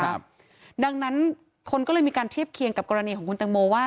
ครับดังนั้นคนก็เลยมีการเทียบเคียงกับกรณีของคุณตังโมว่า